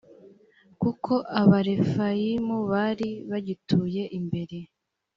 kuko abarefayimu bari bagituye mbere